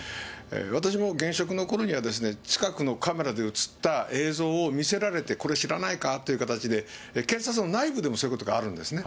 私も現職のころには、近くのカメラで写った映像を見せられて、これ知らないかっていう形で、警察の内部でもそういうことがあるんですね。